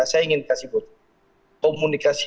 saya ingin kasih bu komunikasi